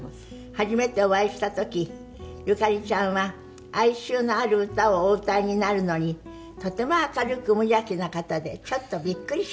「初めてお会いした時ゆかりちゃんは哀愁のある歌をお歌いになるのにとても明るく無邪気な方でちょっとびっくりしましたわ」